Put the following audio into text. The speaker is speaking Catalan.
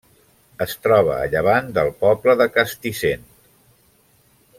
Es troba a llevant del poble de Castissent.